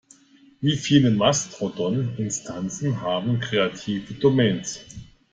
Viele Mastodon-Instanzen haben kreative Domains.